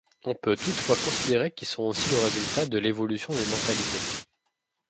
On peut toutefois considérer qu'ils sont aussi le résultat de l'évolution des mentalités.